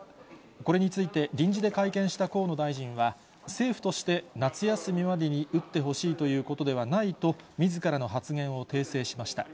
これについて臨時で会見した河野大臣は、政府として夏休みまでに打ってほしいということではないと、みずからの発言を訂正しました。